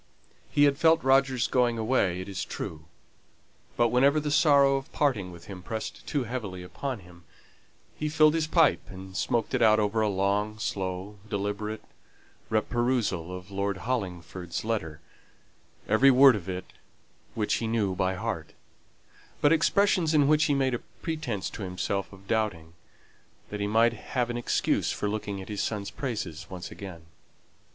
He had felt Roger's going away, it is true; but whenever the sorrow of parting with him pressed too heavily upon him, he filled his pipe, and smoked it out over a long, slow, deliberate, re perusal of Lord Hollingford's letter, every word of which he knew by heart; but expressions in which he made a pretence to himself of doubting, that he might have an excuse for looking at his son's praises once again.